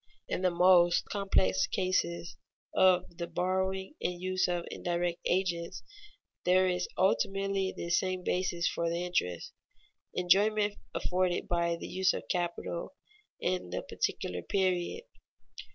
In the most complex cases of the borrowing and use of indirect agents, there is ultimately this same basis for the interest: enjoyment afforded by the use of capital in the particular period.